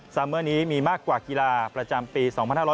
เมื่อนี้มีมากกว่ากีฬาประจำปี๒๕๖๐